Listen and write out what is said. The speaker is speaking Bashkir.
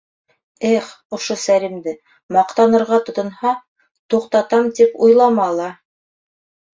Эх, ошо Сәлимде, маҡтанырға тотонһа, туҡтатам тип уйлама ла.